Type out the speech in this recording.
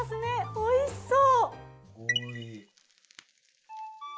おいしそう。